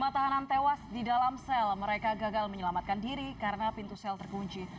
lima tahanan tewas di dalam sel mereka gagal menyelamatkan diri karena pintu sel terkunci